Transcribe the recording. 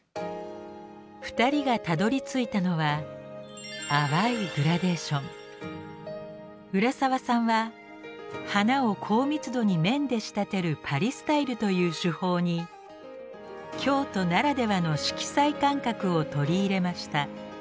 ２人がたどりついたのは浦沢さんは花を高密度に面で仕立てるパリ・スタイルという手法に京都ならではの色彩感覚を取り入れました。